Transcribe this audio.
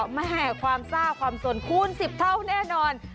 แม่ความซ่าความสนคูณ๑๐เท่าแน่นอน